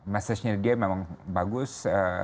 message nya dia memang bagus